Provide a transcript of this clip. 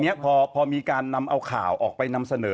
นี้พอมีการนำเอาข่าวออกไปนำเสนอ